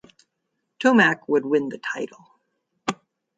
Tomac would win the title.